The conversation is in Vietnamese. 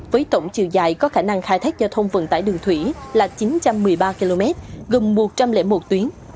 với tổng chiều dài có khả năng khai thác giao thông vận tải đường thủy là chín trăm một mươi ba km gồm một trăm linh một tuyến